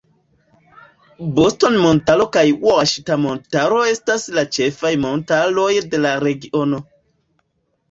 Boston-Montaro kaj Ŭaŝita-Montaro estas la ĉefaj montaroj de la regiono.